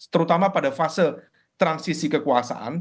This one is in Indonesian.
terutama pada fase transisi kekuasaan